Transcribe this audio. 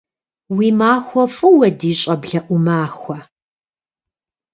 Уи махуэ фӏыуэ, ди щӏэблэ ӏумахуэ!